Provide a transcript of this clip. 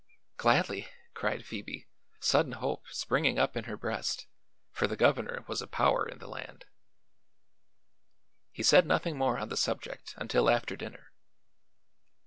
"Gladly!" cried Phoebe, sudden hope springing up in her breast, for the governor was a power in the land. He said nothing more on the subject until after dinner.